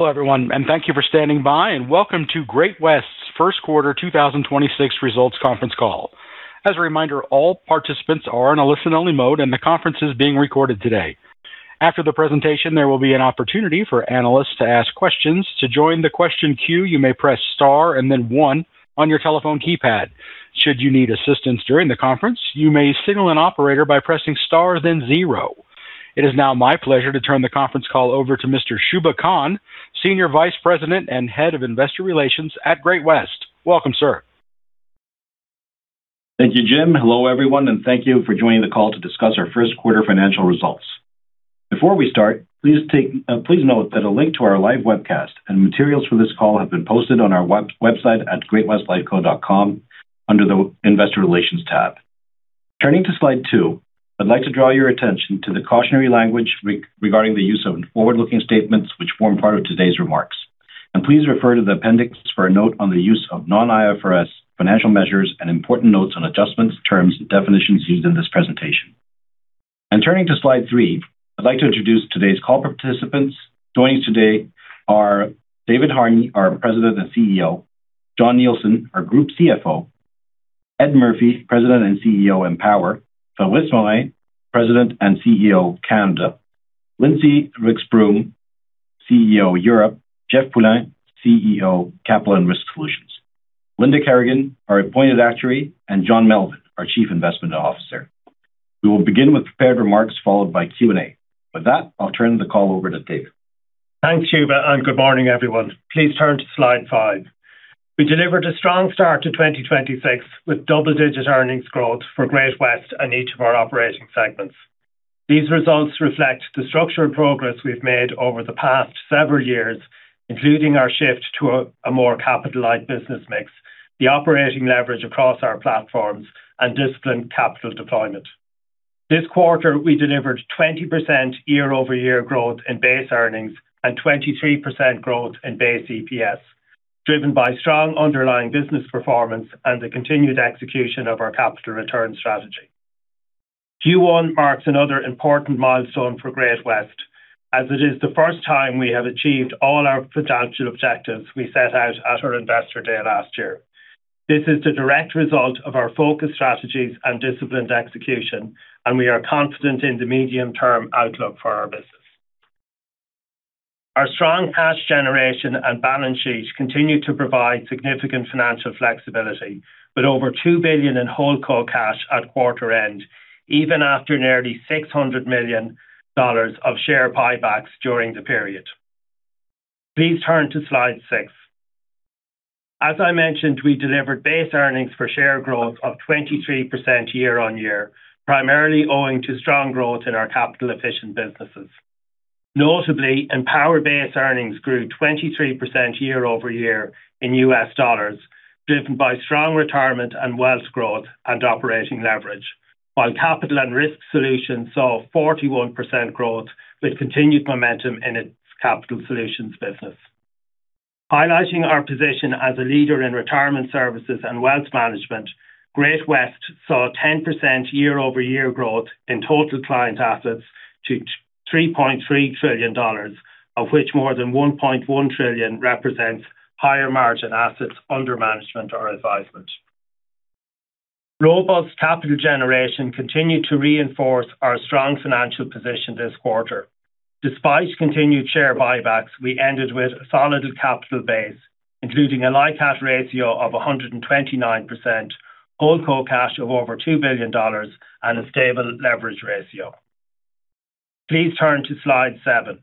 Hello, everyone, thank you for standing by, and welcome to Great-West's First Quarter 2026 Results Conference Call. As a reminder, all participants are in a listen-only mode, and the conference is being recorded today. After the presentation, there will be an opportunity for analysts to ask questions. To join the question queue, you may press star and then one on your telephone keypad. Should you need assistance during the conference, you may signal an operator by pressing star, then zero. It is now my pleasure to turn the conference call over to Mr. Shubha Khan, Senior Vice President and Head of Investor Relations at Great-West. Welcome, sir. Thank you, Jim. Hello, everyone, and thank you for joining the call to discuss our first quarter financial results. Before we start, please note that a link to our live webcast and materials for this call have been posted on our website at greatwestlifeco.com under the Investor Relations tab. Turning to slide two, I'd like to draw your attention to the cautionary language regarding the use of forward-looking statements, which form part of today's remarks. Please refer to the appendix for a note on the use of non-IFRS financial measures and important notes on adjustments, terms and definitions used in this presentation. Turning to slide three, I'd like to introduce today's call participants. Joining us today are David Harney, our President and CEO, Jon Nielsen, our Group CFO, Ed Murphy, President and CEO, Empower, Fabrice Morin, President and CEO, Canada, Lindsey Rix-Broom, CEO, Europe, Jeff Poulin, CEO, Capital and Risk Solutions, Linda Kerrigan, our Appointed Actuary, and John Melvin, our Chief Investment Officer. We will begin with prepared remarks followed by Q&A. With that, I'll turn the call over to Dave. Thanks, Shubha. Good morning, everyone. Please turn to slide 5. We delivered a strong start to 2026 with double-digit earnings growth for Great-West and each of our operating segments. These results reflect the structural progress we've made over the past several years, including our shift to a more capital-light business mix, the operating leverage across our platforms and disciplined capital deployment. This quarter, we delivered 20% year-over-year growth in base earnings and 23% growth in base EPS, driven by strong underlying business performance and the continued execution of our capital return strategy. Q1 marks another important milestone for Great-West as it is the first time we have achieved all our financial objectives we set out at our Investor Day last year. This is the direct result of our focused strategies and disciplined execution, and we are confident in the medium-term outlook for our business. Our strong cash generation and balance sheet continue to provide significant financial flexibility with over 2 billion in holdco cash at quarter end, even after nearly 600 million dollars of share buybacks during the period. Please turn to slide 6. As I mentioned, we delivered base earnings per share growth of 23% year-over-year, primarily owing to strong growth in our capital-efficient businesses. Notably, Empower base earnings grew 23% year-over-year in US dollars, driven by strong Retirement and Wealth growth and operating leverage. While Capital and Risk Solutions saw 41% growth with continued momentum in its capital solutions business. Highlighting our position as a leader in retirement services and wealth management, Great-West saw 10% year-over-year growth in total client assets to 3.3 trillion dollars, of which more than 1.1 trillion represents higher margin assets under management or advisement. Robust capital generation continued to reinforce our strong financial position this quarter. Despite continued share buybacks, we ended with a solid capital base, including a LICAT ratio of 129%, holdco cash of over 2 billion dollars and a stable leverage ratio. Please turn to slide 7.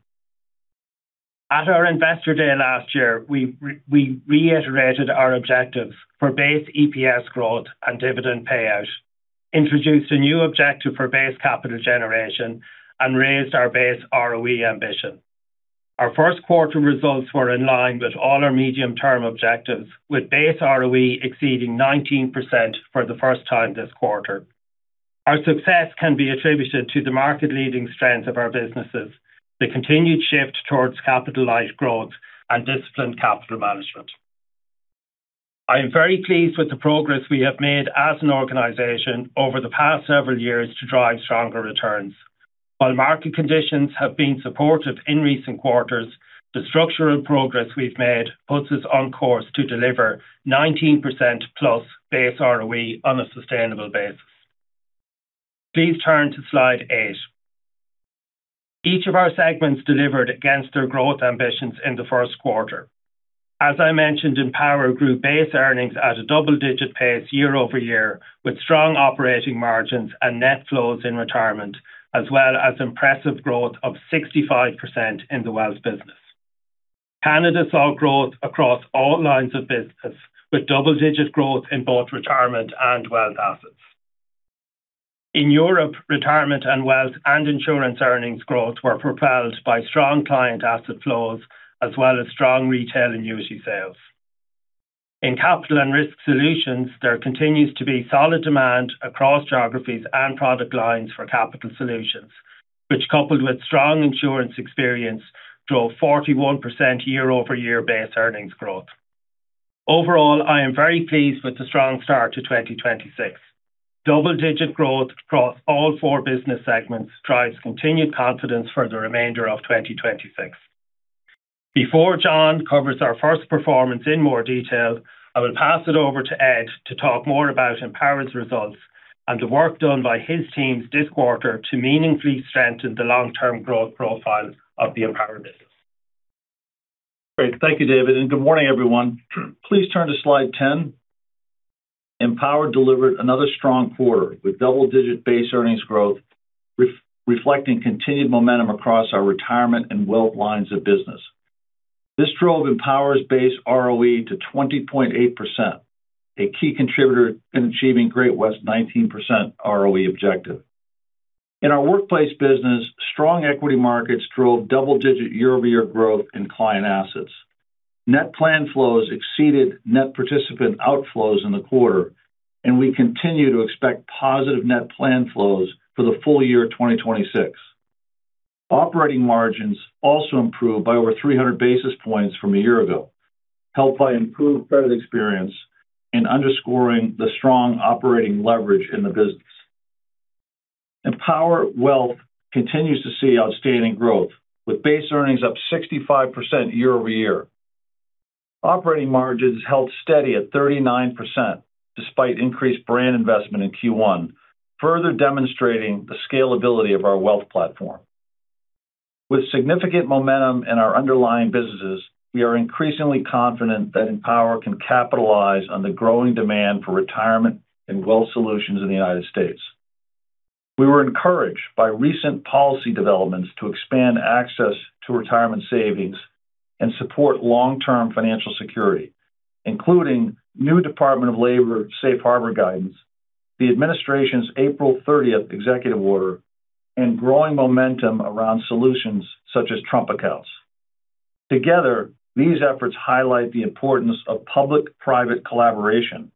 At our Investor Day last year, we reiterated our objectives for base EPS growth and dividend payout, introduced a new objective for base capital generation and raised our base ROE ambition. Our first quarter results were in line with all our medium-term objectives, with base ROE exceeding 19% for the first time this quarter. Our success can be attributed to the market-leading strengths of our businesses, the continued shift towards capital-light growth and disciplined capital management. I am very pleased with the progress we have made as an organization over the past several years to drive stronger returns. While market conditions have been supportive in recent quarters, the structural progress we've made puts us on course to deliver 19% plus base ROE on a sustainable basis. Please turn to slide 8. Each of our segments delivered against their growth ambitions in the first quarter. As I mentioned, Empower grew base earnings at a double-digit pace year-over-year with strong operating margins and net flows in retirement, as well as impressive growth of 65% in the wealth business. Canada saw growth across all lines of business, with double-digit growth in both retirement and wealth assets. In Europe, retirement and wealth and insurance earnings growth were propelled by strong client asset flows as well as strong retail annuity sales. In Capital and Risk Solutions, there continues to be solid demand across geographies and product lines for capital solutions, which, coupled with strong insurance experience, drove 41% year-over-year base earnings growth. Overall, I am very pleased with the strong start to 2026. Double-digit growth across all 4 business segments drives continued confidence for the remainder of 2026. Before Jon covers our first performance in more detail, I will pass it over to Ed to talk more about Empower's results and the work done by his team this quarter to meaningfully strengthen the long-term growth profile of the Empower business. Great. Thank you, David, and good morning, everyone. Please turn to slide 10. Empower delivered another strong quarter with double-digit base earnings growth reflecting continued momentum across our retirement and wealth lines of business. This drove Empower's base ROE to 20.8%, a key contributor in achieving Great-West's 19% ROE objective. In our workplace business, strong equity markets drove double-digit year-over-year growth in client assets. Net plan flows exceeded net participant outflows in the quarter, and we continue to expect positive net plan flows for the full year 2026. Operating margins also improved by over 300 basis points from a year ago, helped by improved credit experience and underscoring the strong operating leverage in the business. Empower Wealth continues to see outstanding growth, with base earnings up 65% year-over-year. Operating margins held steady at 39% despite increased brand investment in Q1, further demonstrating the scalability of our wealth platform. With significant momentum in our underlying businesses, we are increasingly confident that Empower can capitalize on the growing demand for retirement and wealth solutions in the U.S. We were encouraged by recent policy developments to expand access to retirement savings and support long-term financial security, including new Department of Labor safe harbor guidance, the administration's April 30 executive order, and growing momentum around solutions such as Trump accounts. Together, these efforts highlight the importance of public-private collaboration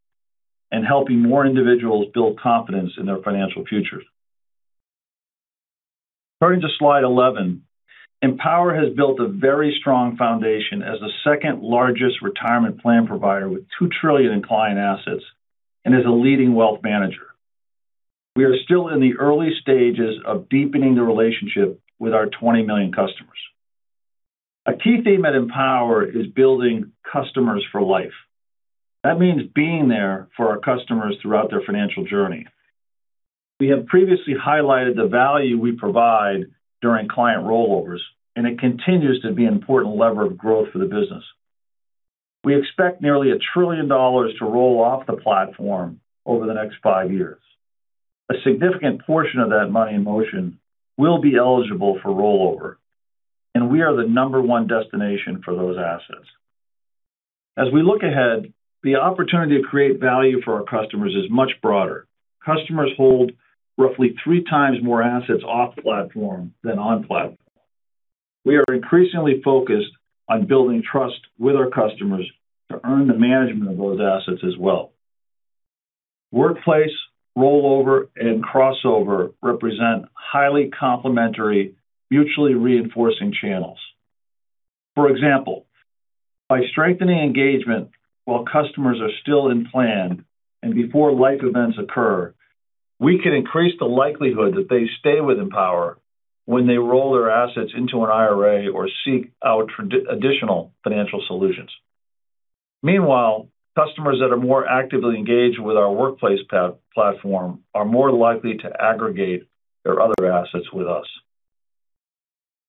and helping more individuals build confidence in their financial futures. Turning to slide 11. Empower has built a very strong foundation as the second-largest retirement plan provider with 2 trillion in client assets and is a leading wealth manager. We are still in the early stages of deepening the relationship with our 20 million customers. A key theme at Empower is building customers for life. That means being there for our customers throughout their financial journey. We have previously highlighted the value we provide during client rollovers, and it continues to be an important lever of growth for the business. We expect nearly 1 trillion dollars to roll off the platform over the next five years. A significant portion of that money in motion will be eligible for rollover, and we are the number 1 destination for those assets. As we look ahead, the opportunity to create value for our customers is much broader. Customers hold roughly three times more assets off platform than on platform. We are increasingly focused on building trust with our customers to earn the management of those assets as well. Workplace, rollover, and crossover represent highly complementary, mutually reinforcing channels. For example, by strengthening engagement while customers are still in plan and before life events occur, we can increase the likelihood that they stay with Empower when they roll their assets into an IRA or seek out additional financial solutions. Meanwhile, customers that are more actively engaged with our workplace platform are more likely to aggregate their other assets with us.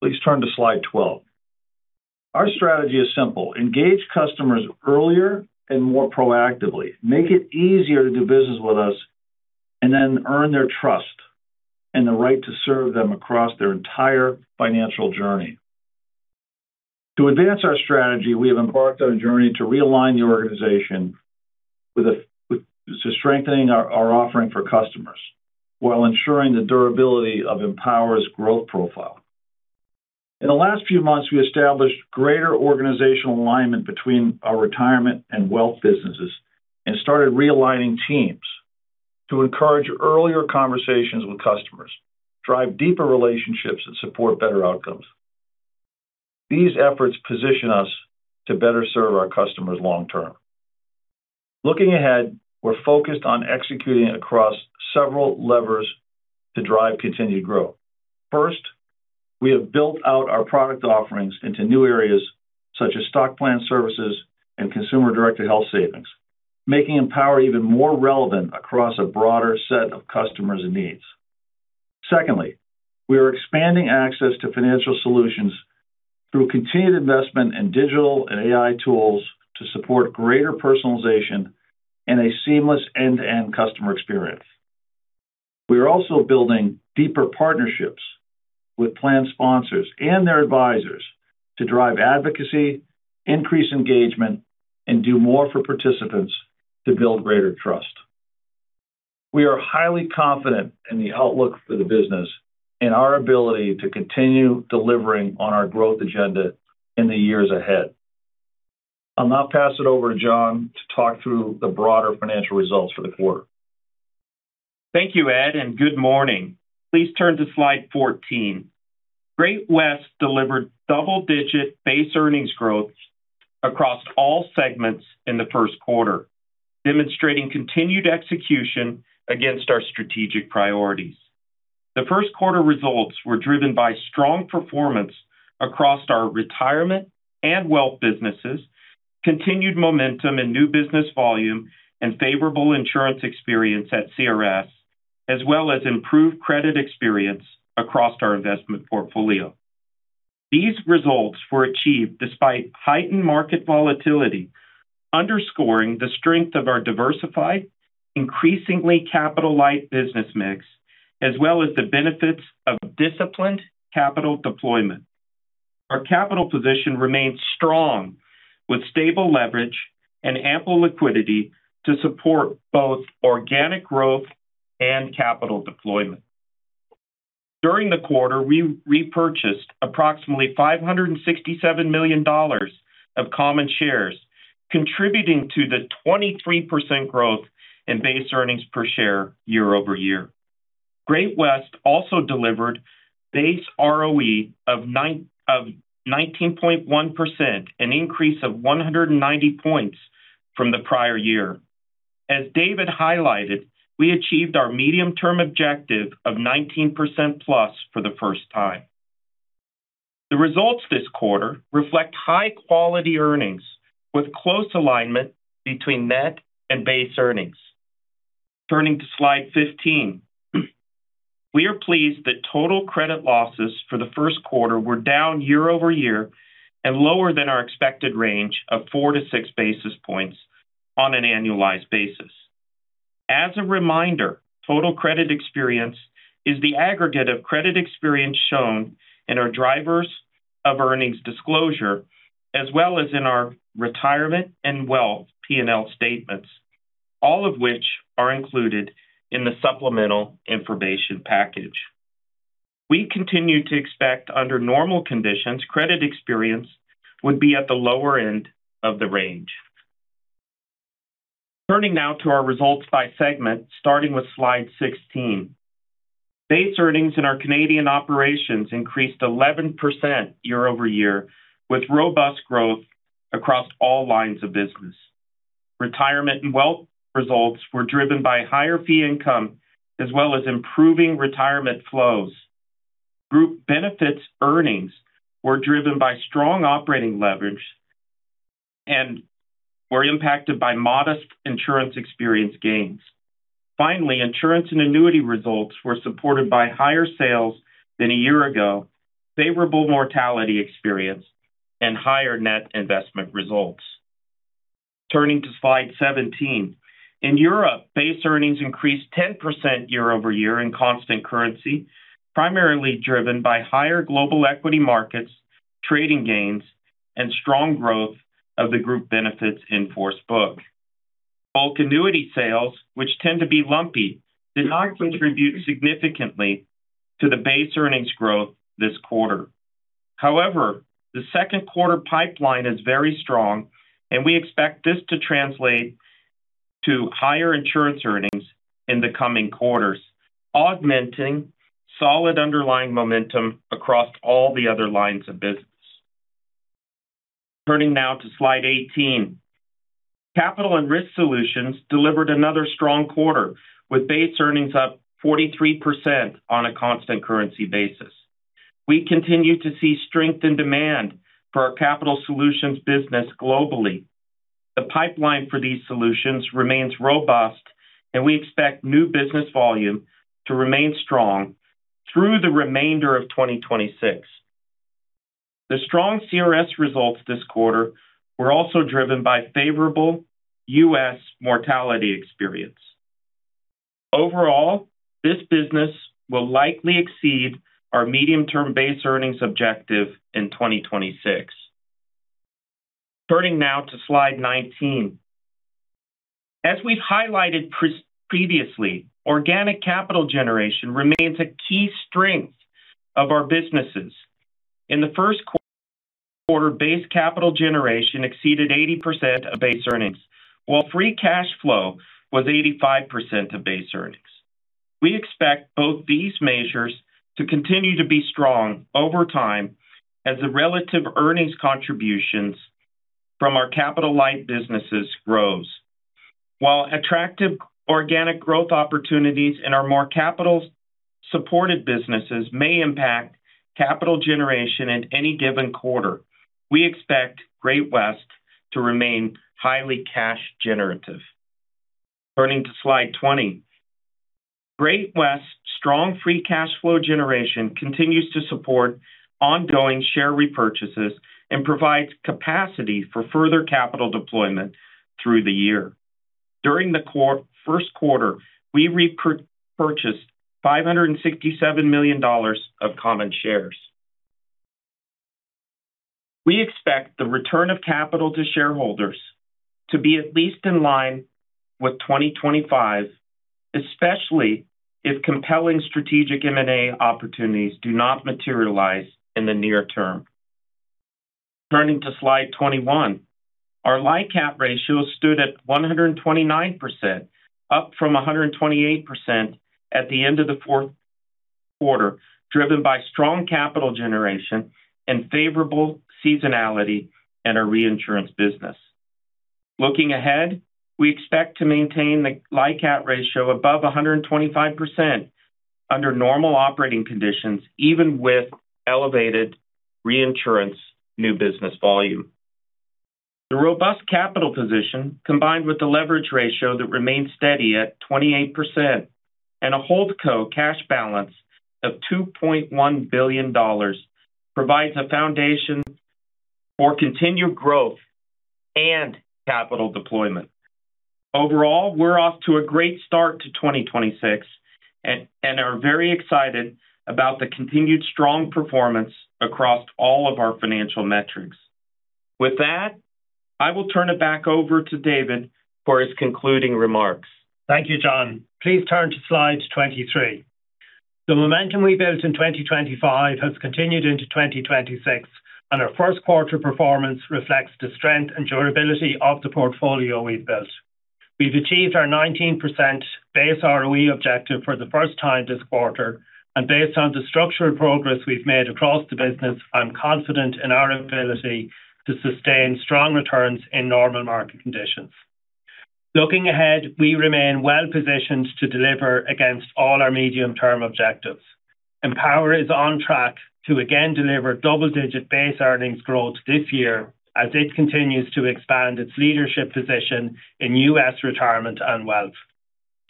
Please turn to slide 12. Our strategy is simple. Engage customers earlier and more proactively, make it easier to do business with us, and then earn their trust and the right to serve them across their entire financial journey. To advance our strategy, we have embarked on a journey to realign the organization with a, to strengthening our offering for customers while ensuring the durability of Empower's growth profile. In the last few months, we established greater organizational alignment between our retirement and wealth businesses and started realigning teams to encourage earlier conversations with customers, drive deeper relationships, and support better outcomes. These efforts position us to better serve our customers long term. Looking ahead, we're focused on executing across several levers to drive continued growth. First, we have built out our product offerings into new areas such as stock plan services and consumer-directed health savings, making Empower even more relevant across a broader set of customers and needs. Secondly, we are expanding access to financial solutions through continued investment in digital and AI tools to support greater personalization and a seamless one end-to-end customer experience. We are also building deeper partnerships with plan sponsors and their advisors to drive advocacy, increase engagement, and do more for participants to build greater trust. We are highly confident in the outlook for the business and our ability to continue delivering on our growth agenda in the years ahead. I'll now pass it over to Jon Nielsen to talk through the broader financial results for the quarter. Thank you, Ed, and good morning. Please turn to slide 14. Great-West delivered double-digit base earnings growth across all segments in the first quarter, demonstrating continued execution against our strategic priorities. The first quarter results were driven by strong performance across our retirement and wealth businesses, continued momentum in new business volume and favorable insurance experience at CRS, as well as improved credit experience across our investment portfolio. These results were achieved despite heightened market volatility, underscoring the strength of our diversified, increasingly capital-light business mix, as well as the benefits of disciplined capital deployment. Our capital position remains strong, with stable leverage and ample liquidity to support both organic growth and capital deployment. During the quarter, we repurchased approximately 567 million dollars of common shares, contributing to the 23% growth in base earnings per share year-over-year. Great West also delivered base ROE of 19.1%, an increase of 190 points from the prior year. As David highlighted, we achieved our medium-term objective of 19% plus for the first time. The results this quarter reflect high-quality earnings with close alignment between net and base earnings. Turning to slide 15. We are pleased that total credit losses for the first quarter were down year-over-year and lower than our expected range of 4 to 6 basis points on an annualized basis. As a reminder, total credit experience is the aggregate of credit experience shown in our Drivers of Earnings disclosure as well as in our Retirement and Wealth P&L statements, all of which are included in the supplemental information package. We continue to expect, under normal conditions, credit experience would be at the lower end of the range. Turning now to our results by segment, starting with slide 16. Base earnings in our Canadian operations increased 11% year-over-year, with robust growth across all lines of business. Retirement and Wealth results were driven by higher fee income as well as improving retirement flows. Group Benefits earnings were driven by strong operating leverage and were impacted by modest insurance experience gains. Insurance and annuity results were supported by higher sales than a year ago, favorable mortality experience, and higher net investment results. Turning to slide 17. In Europe, base earnings increased 10% year-over-year in constant currency, primarily driven by higher global equity markets, trading gains, and strong growth of the Group Benefits in force book. Bulk Annuity sales, which tend to be lumpy, did not contribute significantly to the base earnings growth this quarter. The second quarter pipeline is very strong, and we expect this to translate to higher insurance earnings in the coming quarters, augmenting solid underlying momentum across all the other lines of business. Turning now to slide 18. Capital and Risk Solutions delivered another strong quarter, with base earnings up 43% on a constant currency basis. We continue to see strength in demand for our capital solutions business globally. The pipeline for these solutions remains robust, and we expect new business volume to remain strong through the remainder of 2026. The strong CRS results this quarter were also driven by favorable U.S. mortality experience. Overall, this business will likely exceed our medium-term base earnings objective in 2026. Turning now to slide 19. As we've highlighted previously, organic capital generation remains a key strength of our businesses. In the first quarter, base capital generation exceeded 80% of base earnings, while free cash flow was 85% of base earnings. We expect both these measures to continue to be strong over time as the relative earnings contributions from our capital-light businesses grows. While attractive organic growth opportunities in our more capital-supported businesses may impact capital generation in any given quarter, we expect Great-West Lifeco to remain highly cash generative. Turning to slide 20. Great-West Lifeco's strong free cash flow generation continues to support ongoing share repurchases and provides capacity for further capital deployment through the year. During the first quarter, we repurchased 567 million dollars of common shares. We expect the return of capital to shareholders to be at least in line with 2025, especially if compelling strategic M&A opportunities do not materialize in the near term. Turning to slide 21. Our LICAT ratio stood at 129%, up from 128% at the end of the fourth quarter, driven by strong capital generation and favorable seasonality in our reinsurance business. Looking ahead, we expect to maintain the LICAT ratio above 125% under normal operating conditions, even with elevated reinsurance new business volume. The robust capital position, combined with the leverage ratio that remains steady at 28% and a holdco cash balance of 2.1 billion dollars, provides a foundation for continued growth and capital deployment. Overall, we're off to a great start to 2026 and are very excited about the continued strong performance across all of our financial metrics. With that, I will turn it back over to David for his concluding remarks. Thank you, Jon. Please turn to slide 23. The momentum we built in 2025 has continued into 2026, and our first quarter performance reflects the strength and durability of the portfolio we've built. We've achieved our 19% base ROE objective for the first time this quarter, and based on the structural progress we've made across the business, I'm confident in our ability to sustain strong returns in normal market conditions. Looking ahead, we remain well-positioned to deliver against all our medium-term objectives. Empower is on track to again deliver double-digit base earnings growth this year as it continues to expand its leadership position in U.S. retirement and wealth.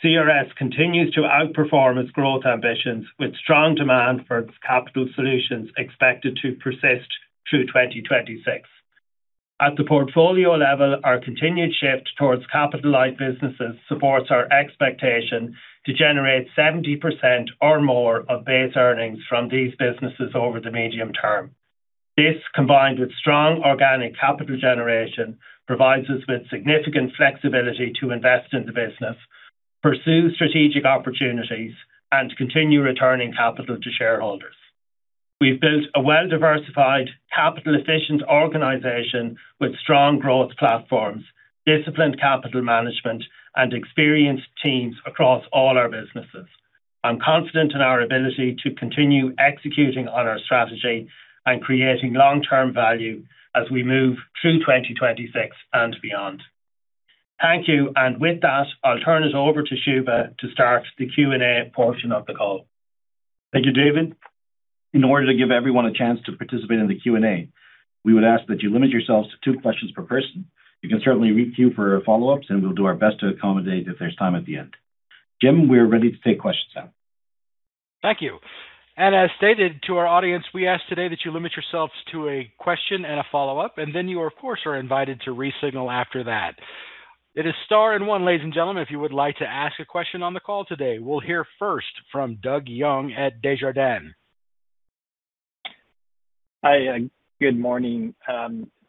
CRS continues to outperform its growth ambitions, with strong demand for its capital solutions expected to persist through 2026. At the portfolio level, our continued shift towards capitalized businesses supports our expectation to generate 70% or more of base earnings from these businesses over the medium term. This, combined with strong organic capital generation, provides us with significant flexibility to invest in the business, pursue strategic opportunities, and continue returning capital to shareholders. We've built a well-diversified, capital-efficient organization with strong growth platforms, disciplined capital management, and experienced teams across all our businesses. I'm confident in our ability to continue executing on our strategy and creating long-term value as we move through 2026 and beyond. Thank you. With that, I'll turn it over to Shubha to start the Q&A portion of the call. Thank you, David. In order to give everyone a chance to participate in the Q&A, we would ask that you limit yourselves to two questions per person. You can certainly queue for follow-ups, and we'll do our best to accommodate if there's time at the end. Jim, we're ready to take questions now. Thank you. As stated to our audience, we ask today that you limit yourselves to a question and a follow-up, and then you, of course, are invited to re-signal after that. We'll hear first from Doug Young at Desjardins. Hi, good morning.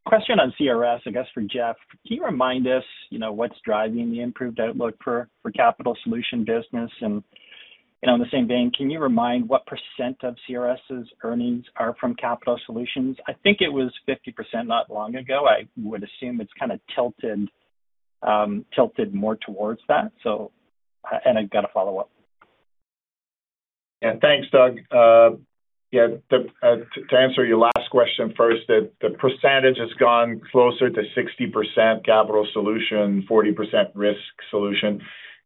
Question on CRS, I guess, for Jeff. Can you remind us, you know, what's driving the improved outlook for capital solution business? In the same vein, can you remind what percent of CRS' earnings are from capital solutions? I think it was 50% not long ago. I would assume it's kind of tilted more towards that. And I've got a follow-up. Yeah. Thanks, Doug. To answer your last question first, the percentage has gone closer to 60% capital solution, 40% risk solution.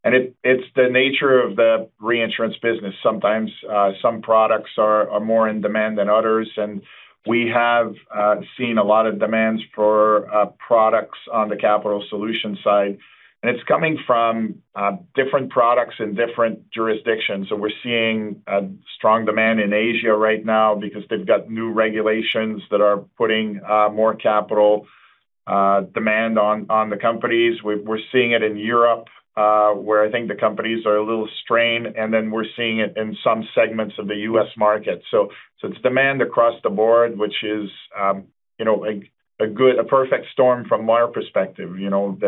It's the nature of the reinsurance business. Sometimes, some products are more in demand than others, we have seen a lot of demands for products on the capital solution side. It's coming from different products in different jurisdictions. We're seeing a strong demand in Asia right now because they've got new regulations that are putting more capital demand on the companies. We're seeing it in Europe, where I think the companies are a little strained, we're seeing it in some segments of the U.S. market. It's demand across the board, which is, you know, a perfect storm from our perspective, you know.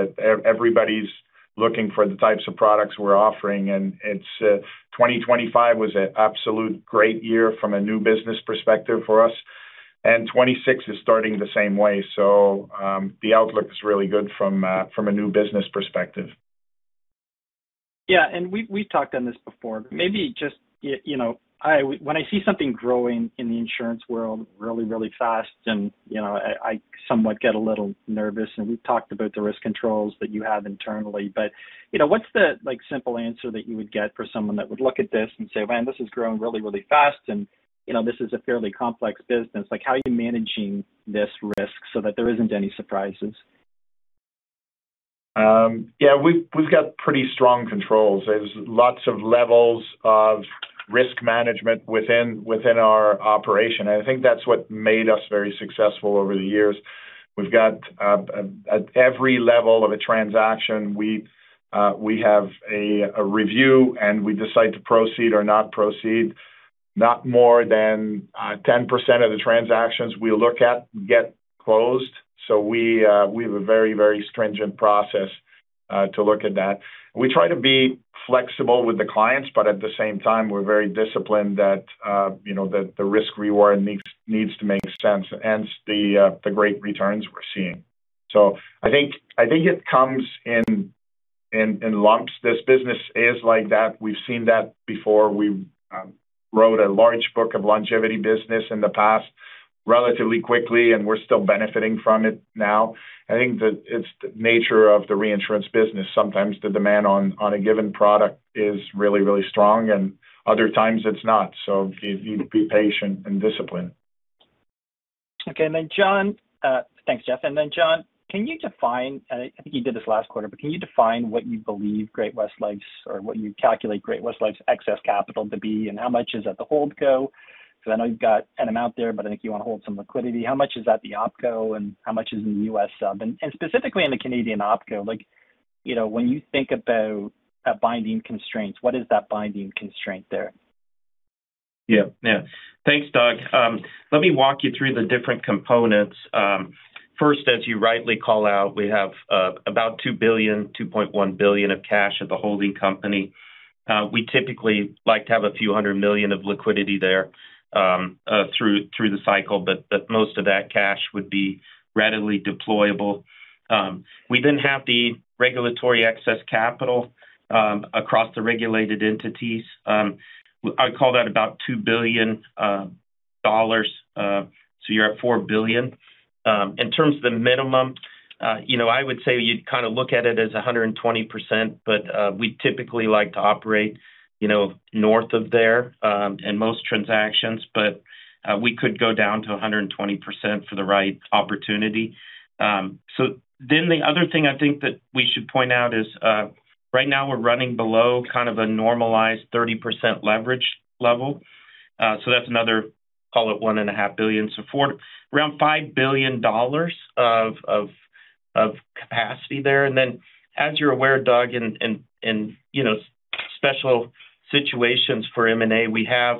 Everybody's looking for the types of products we're offering. It's, 2025 was an absolute great year from a new business perspective for us, and 2026 is starting the same way. The outlook is really good from a new business perspective. We talked on this before. Maybe just, you know, I when I see something growing in the insurance world really, really fast and, you know, I somewhat get a little nervous, and we've talked about the risk controls that you have internally. You know, what's the, like, simple answer that you would get for someone that would look at this and say, "Man, this is growing really, really fast," and, you know, this is a fairly complex business. Like, how are you managing this risk so that there isn't any surprises? Yeah, we've got pretty strong controls. There's lots of levels of risk management within our operation. I think that's what made us very successful over the years. We've got at every level of a transaction, we have a review, and we decide to proceed or not proceed. Not more than 10% of the transactions we look at get closed. We have a very stringent process to look at that. We try to be flexible with the clients, at the same time, we're very disciplined that, you know, the risk reward needs to make sense, hence the great returns we're seeing. I think it comes in lumps. This business is like that. We've seen that before. We wrote a large book of longevity business in the past relatively quickly, and we're still benefiting from it now. I think that it's the nature of the reinsurance business. Sometimes the demand on a given product is really, really strong. Other times it's not. You need to be patient and disciplined. Okay. Jon, Thanks, Jeff. Jon, can you define, and I think you did this last quarter, but can you define what you believe Great-West Life's or what you calculate Great-West Life's excess capital to be, and how much is at the holdco? I know you've got an amount there, but I think you want to hold some liquidity. How much is at the opco, and how much is in the U.S. sub? Specifically in the Canadian opco, like, you know, when you think about a binding constraint, what is that binding constraint there? Yeah. Yeah. Thanks, Doug. Let me walk you through the different components. First, as you rightly call out, we have about 2 billion, 2.1 billion of cash at the holding company. We typically like to have a few hundred million CAD of liquidity there through the cycle, but most of that cash would be readily deployable. We then have the regulatory excess capital across the regulated entities. I'd call that about 2 billion dollars. You're at 4 billion. In terms of the minimum, you know, I would say you'd kind of look at it as 120%, we typically like to operate, you know, north of there in most transactions. We could go down to 120% for the right opportunity. The other thing I think that we should point out is, right now we're running below kind of a normalized 30% leverage level. That's another, call it 1.5 billion. Around 5 billion dollars of capacity there. As you're aware, Doug, in, in, you know, special situations for M&A, we have,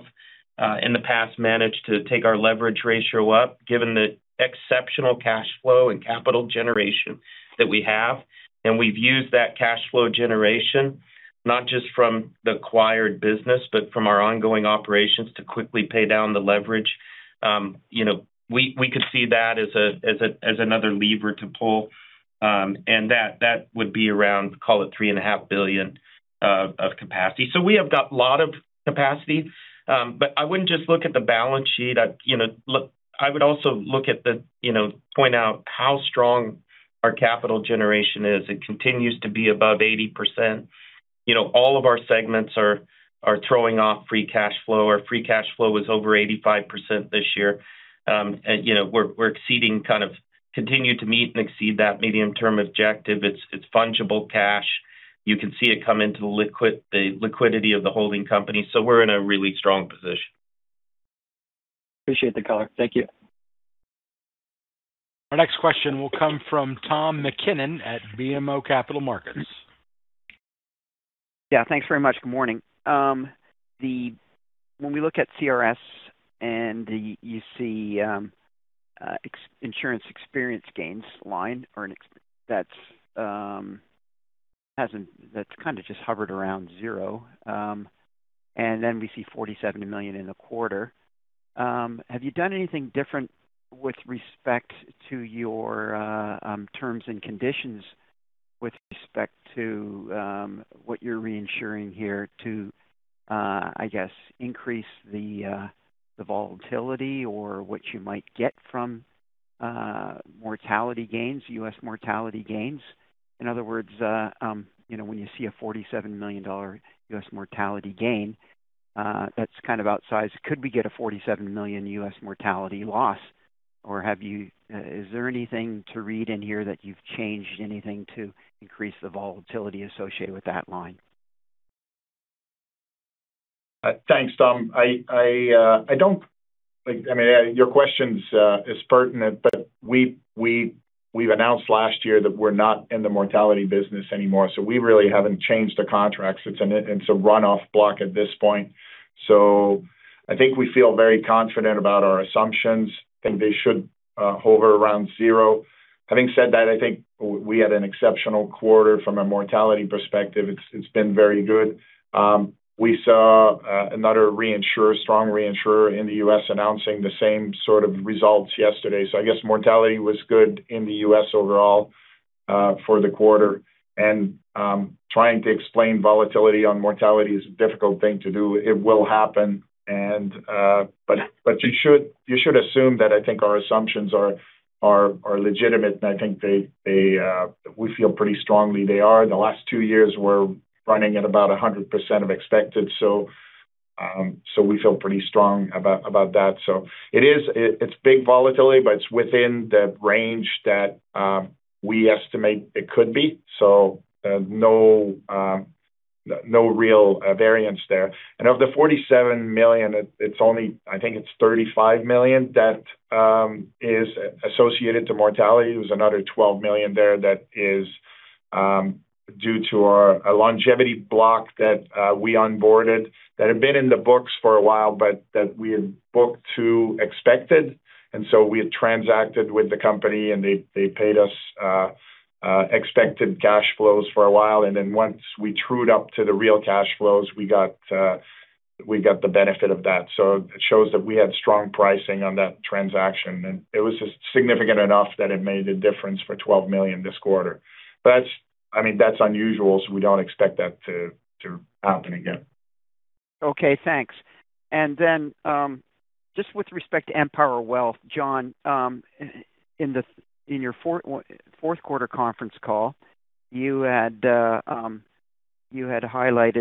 in the past managed to take our leverage ratio up, given the exceptional cash flow and capital generation that we have. We've used that cash flow generation not just from the acquired business, but from our ongoing operations to quickly pay down the leverage. You know, we could see that as a, as another lever to pull. That, that would be around, call it 3.5 billion of capacity. We have got a lot of capacity. I wouldn't just look at the balance sheet. I'd, you know, I would also look at the, you know, point out how strong our capital generation is. It continues to be above 80%. You know, all of our segments are throwing off free cash flow. Our free cash flow was over 85% this year. You know, we're continuing to meet and exceed that medium-term objective. It's fungible cash. You can see it come into the liquidity of the holding company. We're in a really strong position. Appreciate the color. Thank you. Our next question will come from Tom MacKinnon at BMO Capital Markets. Thanks very much. Good morning. When we look at CRS and you see ex- insurance experience gains line or an that's kind of just hovered around zero. Then we see 47 million in the quarter. Have you done anything different with respect to your terms and conditions with respect to what you're reinsuring here to I guess increase the volatility or what you might get from mortality gains, U.S. mortality gains? In other words, you know, when you see a $47 million U.S. mortality gain, that's kind of outsized. Could we get a $47 million U.S. mortality loss? Have you, is there anything to read in here that you've changed anything to increase the volatility associated with that line? Thanks, Tom. I mean, your question's is pertinent, we've announced last year that we're not in the mortality business anymore, we really haven't changed the contracts. It's a runoff block at this point. I think we feel very confident about our assumptions, and they should hover around zero. Having said that, I think we had an exceptional quarter from a mortality perspective. It's been very good. We saw another reinsurer, strong reinsurer in the U.S. announcing the same sort of results yesterday. I guess mortality was good in the U.S. overall for the quarter. Trying to explain volatility on mortality is a difficult thing to do. It will happen and you should assume that I think our assumptions are legitimate, and I think we feel pretty strongly they are. The last two years we're running at about 100% of expected, so we feel pretty strong about that. It is big volatility, but it's within the range that we estimate it could be. No real variance there. Of the 47 million, it's only, I think it's 35 million that is associated to mortality. There's another 12 million there that is due to our longevity block that we onboarded that had been in the books for a while, but that we had booked to expected. We had transacted with the company, they paid us expected cash flows for a while. Once we trued up to the real cash flows, we got. We got the benefit of that. It shows that we had strong pricing on that transaction, and it was just significant enough that it made a difference for 12 million this quarter. I mean, that's unusual, so we don't expect that to happen again. Okay, thanks. Just with respect to Empower Wealth, Jon, in your fourth quarter conference call, you had highlighted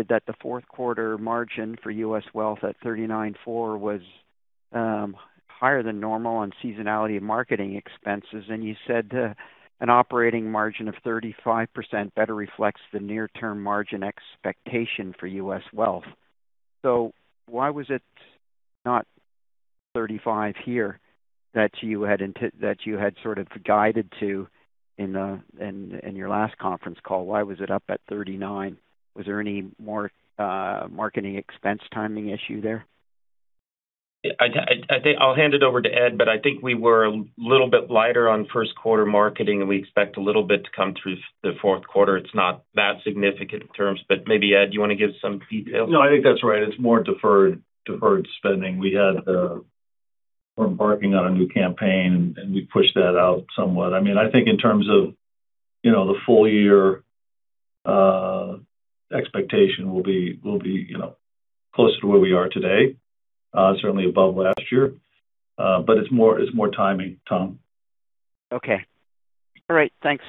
that the fourth quarter margin for U.S. Wealth at 39.4% was higher than normal on seasonality and marketing expenses. You said an operating margin of 35% better reflects the near-term margin expectation for U.S. Wealth. Why was it not 35% here that you had guided to in your last conference call? Why was it up at 39%? Was there any more marketing expense timing issue there? I think I'll hand it over to Ed, but I think we were a little bit lighter on first quarter marketing, and we expect a little bit to come through the fourth quarter. It's not that significant in terms, but maybe Ed, you want to give some details? No, I think that's right. It's more deferred spending. We had, we're embarking on a new campaign, and we pushed that out somewhat. I mean, I think in terms of, you know, the full year expectation, we'll be, you know, closer to where we are today, certainly above last year. It's more timing, Tom. Okay. All right, thanks.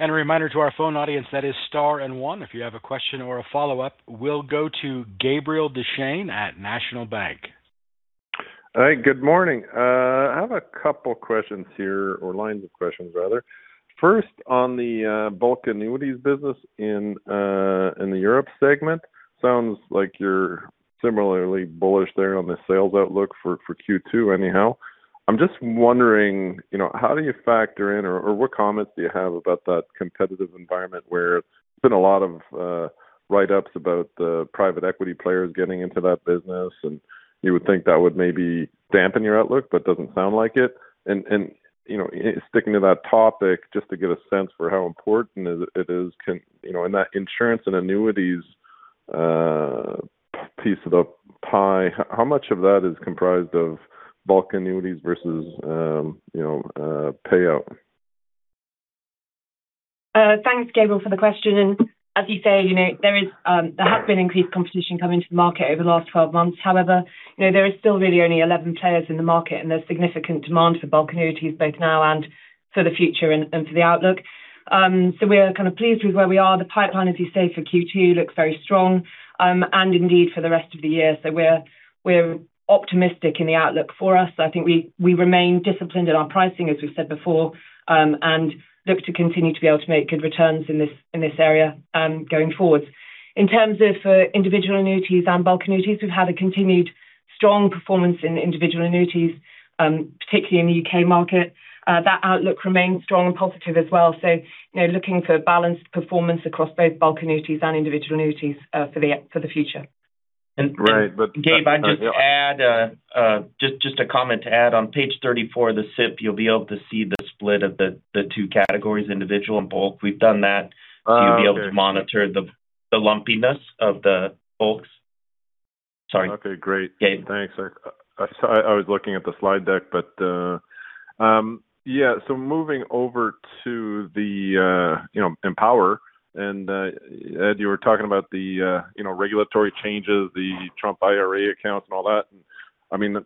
A reminder to our phone audience, that is star 1 if you have a question or a follow-up. We'll go to Gabriel Dechaine at National Bank. All right. Good morning. I have a couple questions here or lines of questions rather. First, on the bulk annuities business in the Europe Segment. Sounds like you're similarly bullish there on the sales outlook for Q2 anyhow. I'm just wondering, you know, how do you factor in or what comments do you have about that competitive environment where there's been a lot of write-ups about the private equity players getting into that business, and you would think that would maybe dampen your outlook, but doesn't sound like it. Sticking to that topic, you know, just to get a sense for how important it is, can you know, in that insurance and annuities piece of the pie, how much of that is comprised of bulk annuities versus, you know, payout? Thanks, Gabriel, for the question. As you say, you know, there is, there has been increased competition coming to the market over the last 12 months. However, you know, there is still really only 11 players in the market, and there's significant demand for bulk annuities, both now and for the future and for the outlook. We're kind of pleased with where we are. The pipeline, as you say, for Q2 looks very strong, and indeed for the rest of the year. We're optimistic in the outlook for us. I think we remain disciplined in our pricing, as we've said before, and look to continue to be able to make good returns in this area going forward. In terms of individual annuities and bulk annuities, we've had a continued strong performance in individual annuities, particularly in the U.K. market. That outlook remains strong and positive as well. Looking for balanced performance across both bulk annuities and individual annuities, for the future. Right. Gabe, I'd just add a comment to add. On page 34 of the SIP, you'll be able to see the split of the 2 categories, individual and bulk. We've done that. Oh, okay. You'll be able to monitor the lumpiness of the bulks. Sorry. Okay, great. Yeah. Thanks. I was looking at the slide deck. Yeah. Moving over to the, you know, Empower and Ed, you were talking about the, you know, regulatory changes, the Trump IRA accounts and all that. I mean,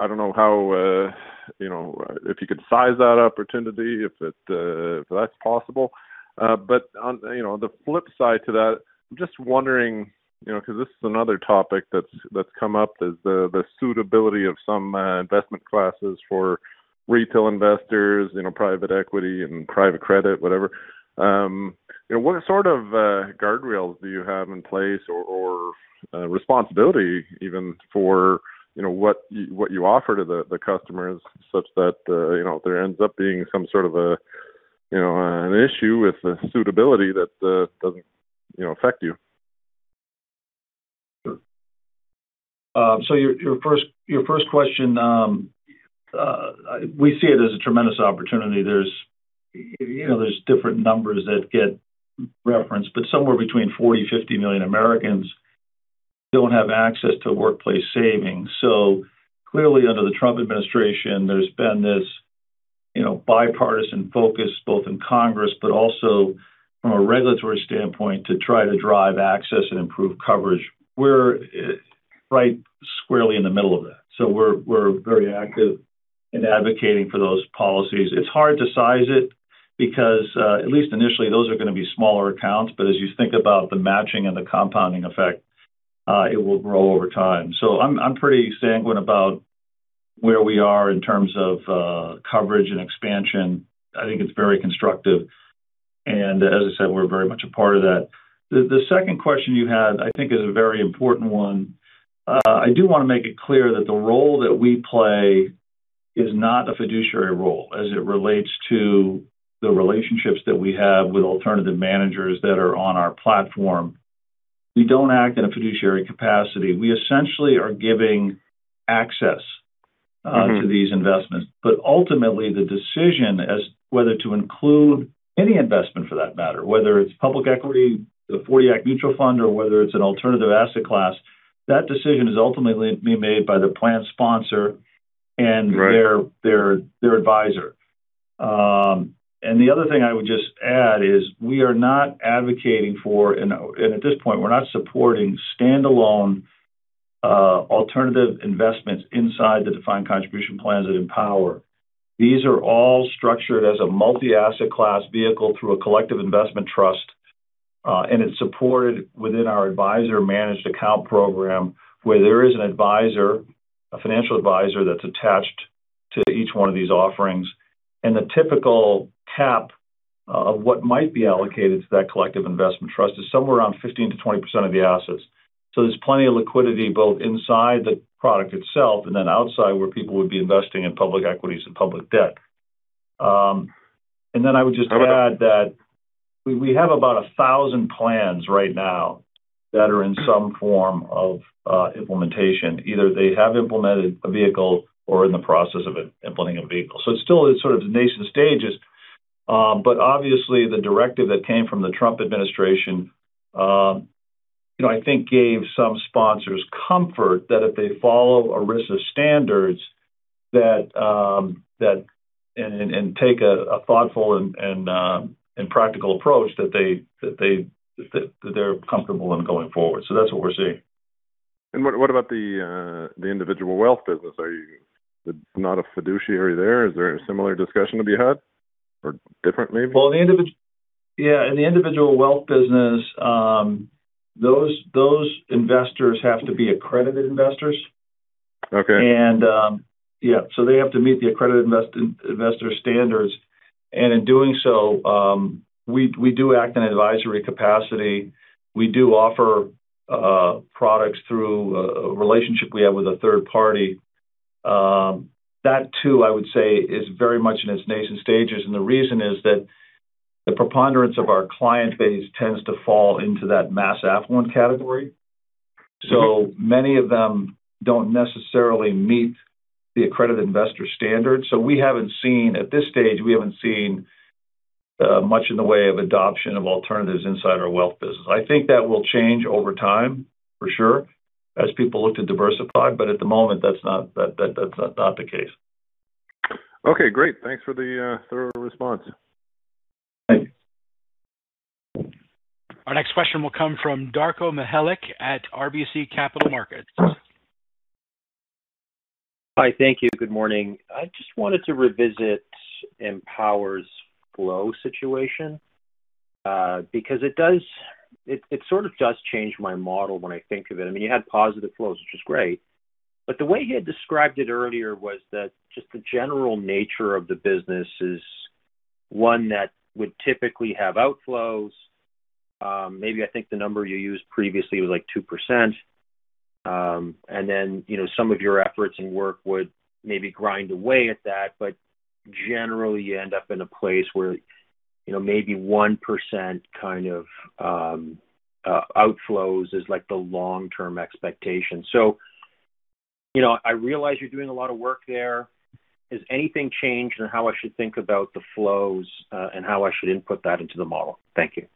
I don't know how, you know, if you could size that opportunity if it, if that's possible. On, you know, the flip side to that, I'm just wondering, you know, 'cause this is another topic that's come up, is the suitability of some investment classes for retail investors, you know, private equity and private credit, whatever. You know, what sort of guardrails do you have in place or responsibility even for, you know, what you, what you offer to the customers such that, you know, if there ends up being some sort of an issue with the suitability that doesn't, you know, affect you? Your first question, we see it as a tremendous opportunity. There's, you know, there's different numbers that get referenced, but somewhere between 40, 50 million Americans don't have access to workplace savings. Clearly under the Trump administration, there's been this, you know, bipartisan focus both in Congress but also from a regulatory standpoint to try to drive access and improve coverage. We're right squarely in the middle of that. We're very active in advocating for those policies. It's hard to size it because, at least initially, those are going to be smaller accounts, but as you think about the matching and the compounding effect, it will grow over time. I'm pretty sanguine about where we are in terms of coverage and expansion. I think it's very constructive and as I said, we're very much a part of that. The second question you had, I think is a very important one. I do want to make it clear that the role that we play is not a fiduciary role as it relates to the relationships that we have with alternative managers that are on our platform. We don't act in a fiduciary capacity. We essentially are giving access to these investments. Ultimately, the decision as whether to include any investment for that matter, whether it's public equity, the '40 Act mutual fund, or whether it's an alternative asset class, that decision is ultimately being made by the plan sponsor and- Right their advisor. The other thing I would just add is we are not advocating for and at this point we're not supporting stand-alone alternative investments inside the defined contribution plans at Empower. These are all structured as a multi-asset class vehicle through a collective investment trust, and it's supported within our advisor managed account program, where there is an advisor, a financial advisor that's attached to each one of these offerings. The typical cap of what might be allocated to that collective investment trust is somewhere around 15%-20% of the assets. There's plenty of liquidity both inside the product itself and then outside where people would be investing in public equities and public debt. I would just add that we have about 1,000 plans right now that are in some form of implementation. Either they have implemented a vehicle or in the process of implementing a vehicle. It still is sort of its nascent stages. Obviously, the directive that came from the Trump administration, you know, I think gave some sponsors comfort that if they follow ERISA standards, that and take a thoughtful and practical approach that they're comfortable in going forward. That's what we're seeing. What about the individual wealth business? It's not a fiduciary there? Is there a similar discussion to be had or different maybe? Well, yeah. In the individual wealth business, those investors have to be accredited investors. Okay. Yeah. They have to meet the accredited investor standards. In doing so, we do act in an advisory capacity. We do offer products through a relationship we have with a third party. That too, I would say is very much in its nascent stages, and the reason is that the preponderance of our client base tends to fall into that mass affluent category. Many of them don't necessarily meet the accredited investor standard. We haven't seen at this stage, we haven't seen much in the way of adoption of alternatives inside our wealth business. I think that will change over time, for sure, as people look to diversify. At the moment, that's not the case. Okay, great. Thanks for the thorough response. Thanks. Our next question will come from Darko Mihelic at RBC Capital Markets. Hi. Thank you. Good morning. I just wanted to revisit Empower's flow situation, because it sort of does change my model when I think of it. I mean, you had positive flows, which is great, but the way you had described it earlier was that just the general nature of the business is one that would typically have outflows. Maybe I think the number you used previously was like 2%. Then, you know, some of your efforts and work would maybe grind away at that, but generally you end up in a place where, you know, maybe 1% kind of outflows is like the long-term expectation. You know, I realize you're doing a lot of work there. Has anything changed in how I should think about the flows, and how I should input that into the model? Thank you.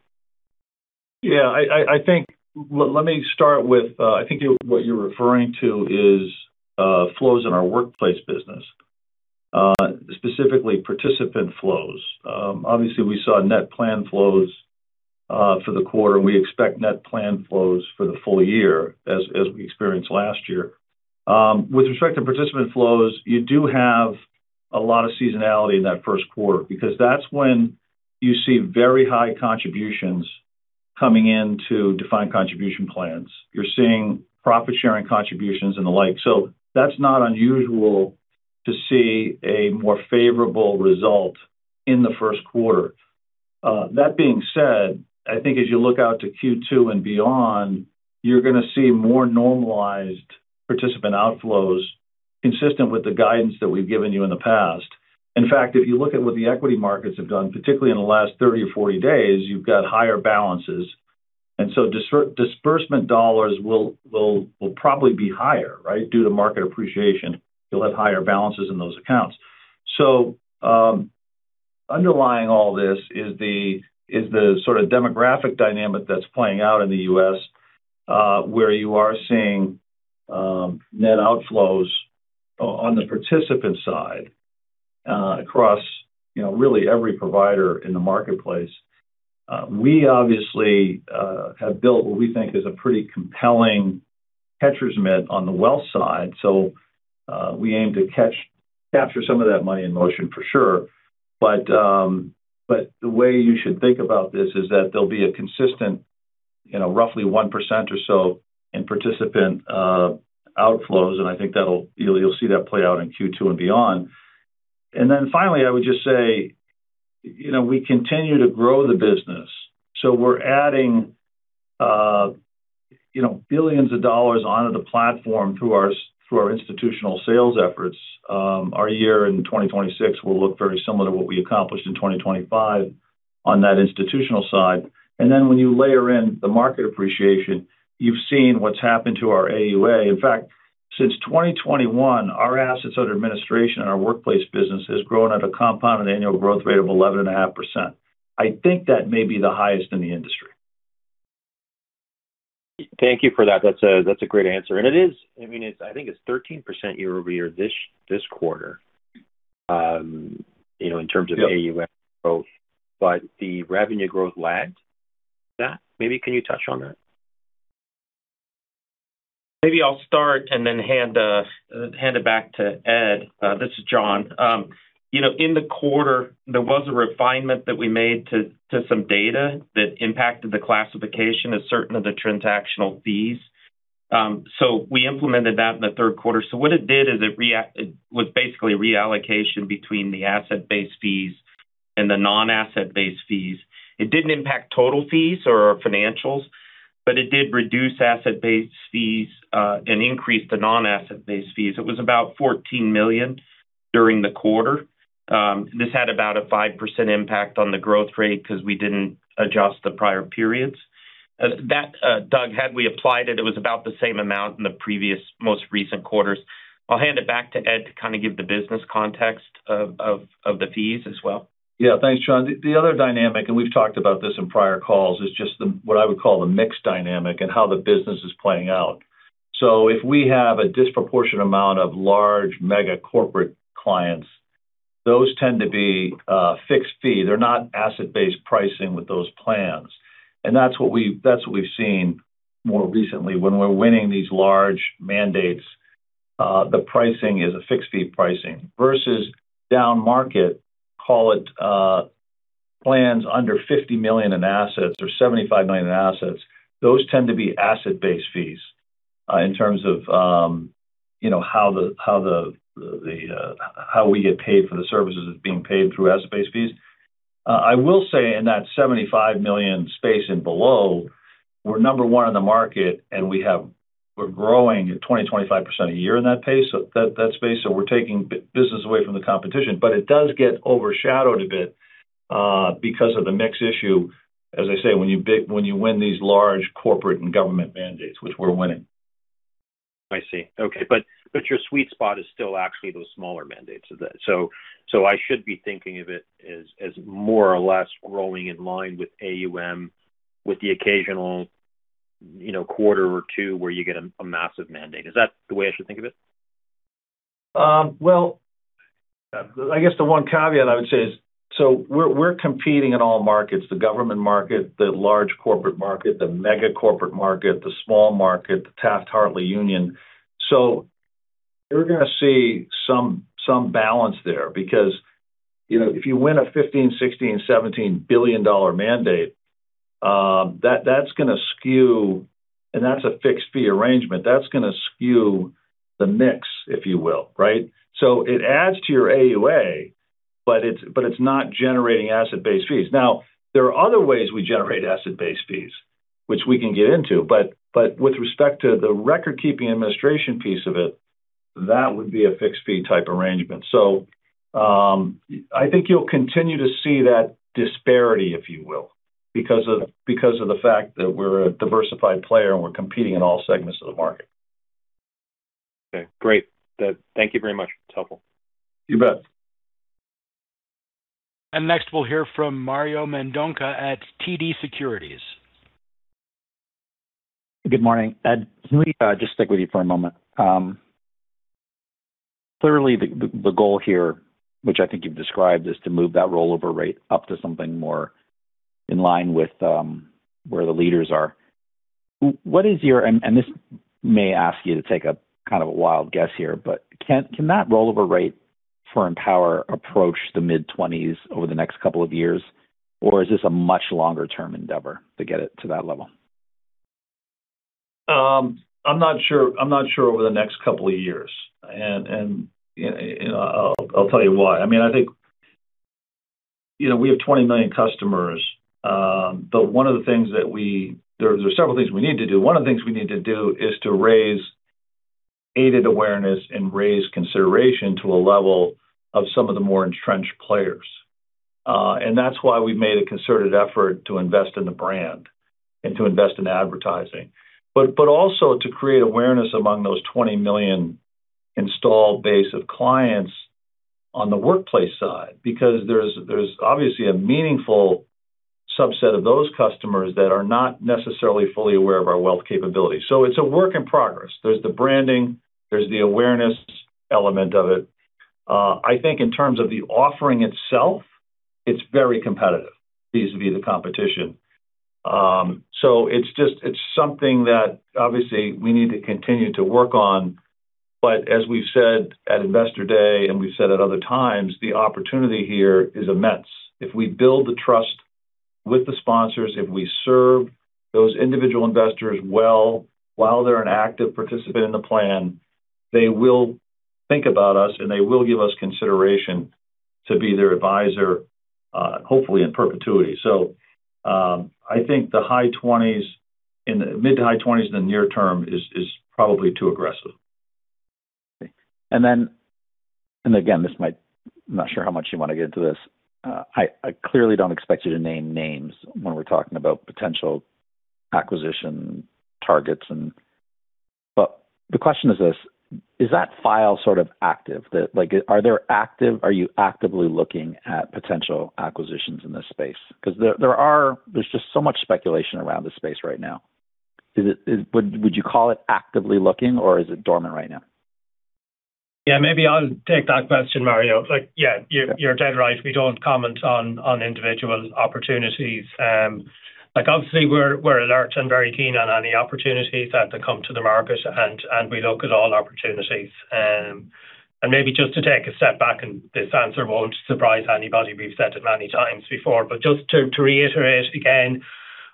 Yeah. I think let me start with what you're referring to is flows in our workplace business, specifically participant flows. Obviously we saw net plan flows for the quarter, and we expect net plan flows for the full year as we experienced last year. With respect to participant flows, you do have a lot of seasonality in that first quarter because that's when you see very high contributions coming in to defined contribution plans. You're seeing profit-sharing contributions and the like. That's not unusual to see a more favorable result in the first quarter. That being said, I think as you look out to Q2 and beyond, you're gonna see more normalized participant outflows consistent with the guidance that we've given you in the past. In fact, if you look at what the equity markets have done, particularly in the last 30 or 40 days, you've got higher balances, and so disbursement dollars will probably be higher, right? Due to market appreciation, you'll have higher balances in those accounts. Underlying all this is the sort of demographic dynamic that's playing out in the U.S., where you are seeing net outflows on the participant side, across, you know, really every provider in the marketplace. We obviously have built what we think is a pretty compelling catcher's mitt on the wealth side. We aim to capture some of that money in motion for sure. The way you should think about this is that there'll be a consistent, you know, roughly 1% or so in participant outflows, and I think that'll you'll see that play out in Q2 and beyond. Finally, I would just say, you know, we continue to grow the business. We're adding, you know, billions of dollars onto the platform through our institutional sales efforts. Our year in 2026 will look very similar to what we accomplished in 2025 on that institutional side. When you layer in the market appreciation, you've seen what's happened to our AUA. In fact, since 2021, our assets under administration in our workplace business has grown at a compounded annual growth rate of 11.5%. I think that may be the highest in the industry. Thank you for that. That's a great answer. It is, I mean, it's, I think it's 13% year-over-year this quarter, you know. Yep AUM growth. The revenue growth lagged that. Maybe can you touch on that? Maybe I'll start and then hand it back to Ed Murphy. This is Jon Nielsen. You know, in the quarter, there was a refinement that we made to some data that impacted the classification of certain of the transactional fees. We implemented that in the third quarter. What it did is it was basically a reallocation between the asset-based fees and the non-asset-based fees. It didn't impact total fees or our financials, but it did reduce asset-based fees and increase the non-asset-based fees. It was about 14 million during the quarter. This had about a 5% impact on the growth rate because we didn't adjust the prior periods. Doug Young, had we applied it was about the same amount in the previous most recent quarters. I'll hand it back to Ed to kind of give the business context of the fees as well. Thanks, Jon. The other dynamic, and we've talked about this in prior calls, is just what I would call the mix dynamic and how the business is playing out. If we have a disproportionate amount of large mega corporate clients, those tend to be fixed fee. They're not asset-based pricing with those plans. That's what we've seen more recently. When we're winning these large mandates, the pricing is a fixed fee pricing. Versus down market, call it, plans under 50 million in assets or 75 million in assets, those tend to be asset-based fees in terms of how we get paid for the services is being paid through asset-based fees. I will say in that 75 million space and below, we're number one in the market, and we're growing at 20%-25% a year in that pace, that space, so we're taking business away from the competition. It does get overshadowed a bit because of the mix issue, as I say, when you win these large corporate and government mandates, which we're winning. I see. Okay. Your sweet spot is still actually those smaller mandates. Is that? I should be thinking of it as more or less growing in line with AUM with the occasional, you know, quarter or two where you get a massive mandate. Is that the way I should think of it? I guess the one caveat I would say is, we're competing in all markets, the government market, the large corporate market, the mega corporate market, the small market, the Taft-Hartley union. You're gonna see some balance there because, you know, if you win a 15 billion, 16 billion, 17 billion dollar mandate, that's gonna skew. That's a fixed fee arrangement. That's gonna skew the mix, if you will, right? It adds to your AUA, but it's not generating asset-based fees. Now, there are other ways we generate asset-based fees, which we can get into. But with respect to the record-keeping administration piece of it, that would be a fixed fee type arrangement. I think you'll continue to see that disparity, if you will, because of the fact that we're a diversified player, and we're competing in all segments of the market. Okay. Great. Thank you very much. It's helpful. You bet. Next, we'll hear from Mario Mendonca at TD Securities. Good morning. Ed, can we just stick with you for a moment? Clearly the goal here, which I think you've described, is to move that rollover rate up to something more in line with where the leaders are. This may ask you to take a kind of a wild guess here, but can that rollover rate for Empower approach the mid-20s over the next couple of years, or is this a much longer term endeavor to get it to that level? I'm not sure over the next couple of years. You know, I'll tell you why. I mean, I think, you know, we have 20 million customers. There are several things we need to do. One of the things we need to do is to raise aided awareness and raise consideration to a level of some of the more entrenched players. That's why we've made a concerted effort to invest in the brand and to invest in advertising. Also to create awareness among those 20 million installed base of clients on the workplace side because there's obviously a meaningful subset of those customers that are not necessarily fully aware of our wealth capabilities. It's a work in progress. There's the branding, there's the awareness element of it. I think in terms of the offering itself, it's very competitive vis-a-vis the competition. It's something that obviously we need to continue to work on. As we've said at Investor Day and we've said at other times, the opportunity here is immense. If we build the trust with the sponsors, if we serve those individual investors well while they're an active participant in the plan, they will think about us, and they will give us consideration To be their advisor, hopefully in perpetuity. I think in the mid to high twenties in the near term is probably too aggressive. Again, not sure how much you want to get into this. I clearly don't expect you to name names when we're talking about potential acquisition targets. The question is this: Is that file sort of active? That like are you actively looking at potential acquisitions in this space? There's just so much speculation around this space right now. Is it would you call it actively looking or is it dormant right now? Maybe I'll take that question, Mario. Yeah, you're dead right. We don't comment on individual opportunities. Like, obviously, we're alert and very keen on any opportunities that come to the market and we look at all opportunities. Maybe just to take a step back, this answer won't surprise anybody, we've said it many times before, but just to reiterate again,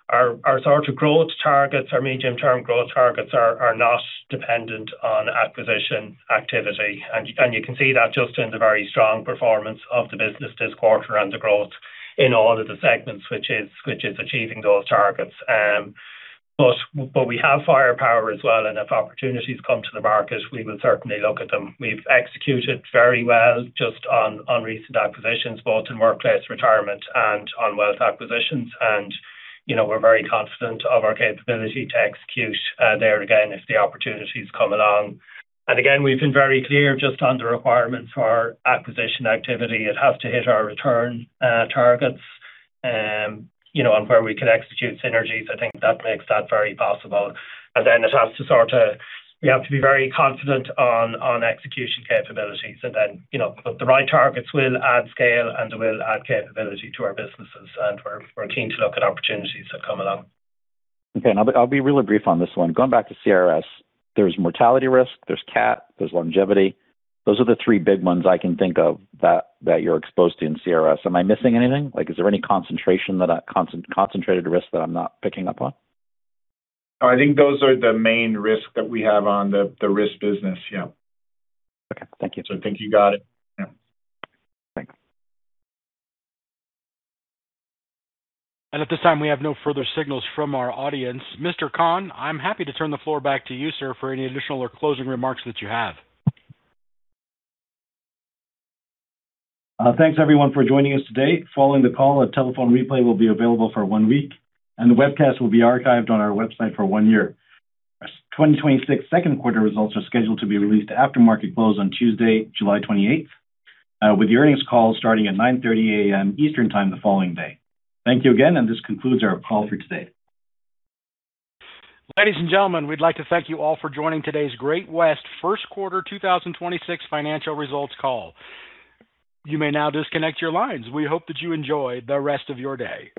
our sort of growth targets, our medium-term growth targets are not dependent on acquisition activity. You can see that just in the very strong performance of the business this quarter and the growth in all of the segments, which is achieving those targets. But we have firepower as well, and if opportunities come to the market, we will certainly look at them. We've executed very well just on recent acquisitions, both in workplace retirement and on wealth acquisitions. You know, we're very confident of our capability to execute there again, if the opportunities come along. Again, we've been very clear just on the requirements for our acquisition activity. It has to hit our return targets, you know, where we can execute synergies, I think that makes that very possible. We have to be very confident on execution capabilities. You know, the right targets will add scale and will add capability to our businesses, and we're keen to look at opportunities that come along. Okay. I'll be really brief on this one. Going back to CRS, there's mortality risk, there's CAT, there's longevity. Those are the three big ones I can think of that you're exposed to in CRS. Am I missing anything? Like, is there any concentrated risk that I'm not picking up on? I think those are the main risks that we have on the risk business. Yeah. Okay, thank you. I think you got it. Yeah. Thanks. At this time, we have no further signals from our audience. Mr. Khan, I am happy to turn the floor back to you, sir, for any additional or closing remarks that you have. Thanks everyone for joining us today. Following the call, a telephone replay will be available for one week, and the webcast will be archived on our website for one year. 2026 second quarter results are scheduled to be released after market close on Tuesday, July 28th, with the earnings call starting at 9:30 A.M. Eastern Time the following day. Thank you again. This concludes our call for today. Ladies and gentlemen, we'd like to thank you all for joining today's Great-West first quarter 2026 financial results call. We hope that you enjoy the rest of your day.